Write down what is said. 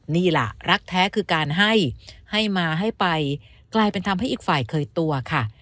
นี่แหละรักแท้คือการให้ให้มาให้ไปกลายเป็นทำให้อีกฝ่ายเคยตัวค่ะ